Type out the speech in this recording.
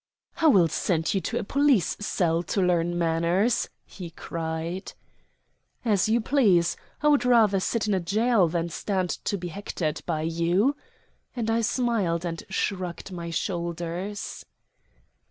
"I will send you to a police cell to learn manners," he cried. "As you please. I would rather sit in a jail than stand to be hectored by you," and I smiled and shrugged my shoulders.